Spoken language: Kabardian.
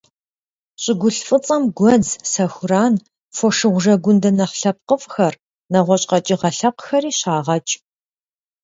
ЩӀыгулъ фӀыцӀэм гуэдз, сэхуран, фошыгъу жэгундэ нэхъ лъэпкъыфӀхэр, нэгъуэщӀ къэкӀыгъэ лъэпкъхэри щагъэкӀ.